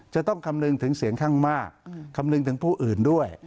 จะต้องคำนึงถึงเสียงข้างมากคำนึงถึงผู้อื่นด้วย